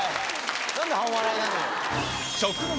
何で半笑いなのよ？